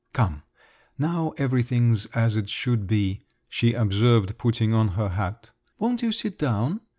"Come, now everything's as it should be," she observed, putting on her hat. "Won't you sit down?